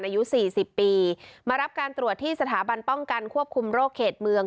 อายุสี่สิบปีมารับการตรวจที่สถาบันป้องกันควบคุมโรคเขตเมือง